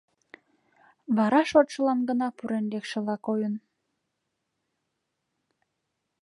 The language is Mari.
Вара шотшылан гына пурен лекшыла койын.